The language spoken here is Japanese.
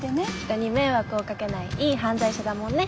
人に迷惑をかけないいい犯罪者だもんね